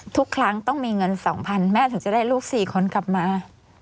ทุกครั้งต้องมีเงิน๒๐๐๐แม่ถึงจะได้ลูก๔คนกลับมา